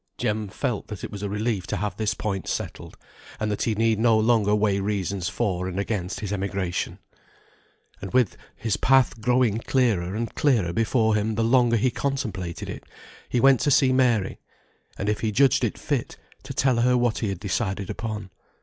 Jem felt that it was a relief to have this point settled; and that he need no longer weigh reasons for and against his emigration. And with his path growing clearer and clearer before him the longer he contemplated it, he went to see Mary, and if he judged it fit, to tell her what he had decided upon.